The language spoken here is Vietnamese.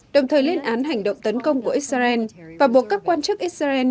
đồng thời lên án hành động tấn công của israel và buộc các quan chức israel